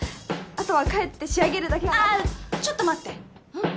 あとは帰って仕上げるだけああーちょっと待ってん？